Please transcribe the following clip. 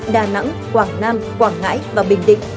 đà nẵng quảng nam quảng ngãi và bình định